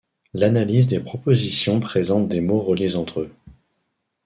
L'analyse des propositions présente des mots reliés entre eux.